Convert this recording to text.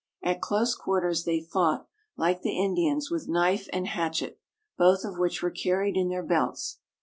At close quarters they fought, like the Indians, with knife and hatchet, both of which were carried in their belts.